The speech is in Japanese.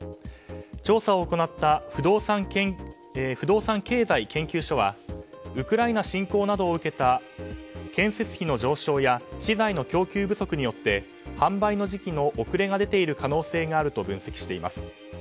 調査を行った不動産経済研究所はウクライナ侵攻などを受けた建設費の上昇や資材の供給不足によって販売の時期の遅れが出ている可能性があると分析しています。